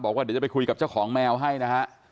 บอกว่าเดี๋ยวจะไปคุยกับเจ้าของแมวให้นะฮะ